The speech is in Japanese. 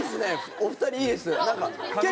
お２人いいですよ。